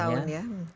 dua belas tahun ya